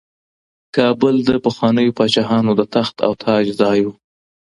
کابل د پخوانیو پاچاهانو د تخت او تاج ځای و.